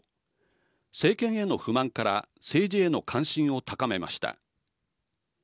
政権への不満から政治への関心を高めました。